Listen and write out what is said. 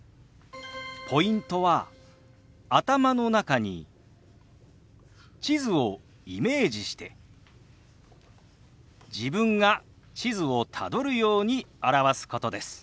ポイントは頭の中に地図をイメージして自分が地図をたどるように表すことです。